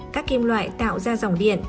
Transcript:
các kim loại tạo ra dòng điện